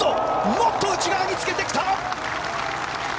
もっと内側につけてきた！